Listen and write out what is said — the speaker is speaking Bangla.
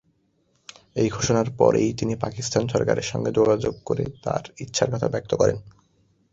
এই ঘোষণার পরেই তিনি পাকিস্তান সরকারের সঙ্গে যোগাযোগ করে তার ইচ্ছার কথা ব্যক্ত করেন।